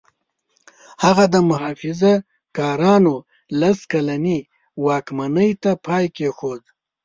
هغه د محافظه کارانو لس کلنې واکمنۍ ته پای کېښود.